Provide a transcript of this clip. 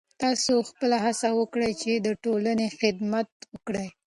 تاسو خپله هڅه وکړئ چې د ټولنې خدمت وکړئ.